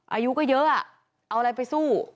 อายุก็เยอะเอาอะไรไปสู้